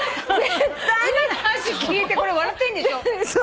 今の話聞いて笑っていいんでしょ？